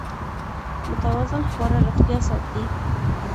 متوازن خواړه روغتیا ساتي.